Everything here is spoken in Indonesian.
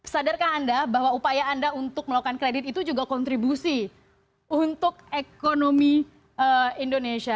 sadarkah anda bahwa upaya anda untuk melakukan kredit itu juga kontribusi untuk ekonomi indonesia